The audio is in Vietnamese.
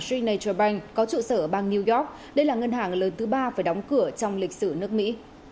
st nature bank có trụ sở ở bang new york đây là ngân hàng lớn thứ ba phải đóng cửa trong lịch sử nước mỹ